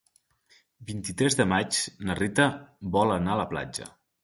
El vint-i-tres de maig na Rita vol anar a la platja.